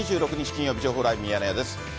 金曜日、情報ライブミヤネ屋です。